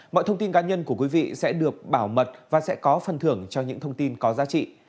mọi thông tin cá nhân của quý vị sẽ được bảo mật và sẽ có phần thưởng cho những thông tin có giá trị